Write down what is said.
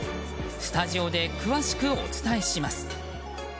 スタジオで詳しくお伝えします。